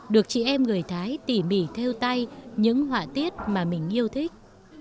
được chị em người thái tỉ mỉ theo tay những họa tiết mà mình yêu thích